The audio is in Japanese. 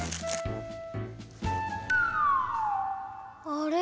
あれ？